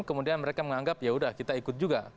kemudian mereka menganggap ya sudah kita ikut juga